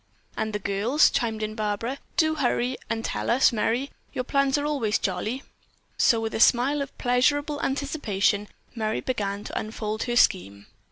"And the girls?" chimed in Barbara. "Do hurry and tell us, Merry. Your plans are always jolly." And so with a smile of pleasurable anticipation, Merry began to unfold her scheme.